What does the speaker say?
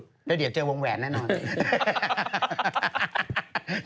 เดี๋ยวเจอวงแหวนแน่นอน